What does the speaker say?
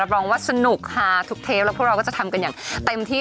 รองว่าสนุกฮาทุกเทปแล้วพวกเราก็จะทำกันอย่างเต็มที่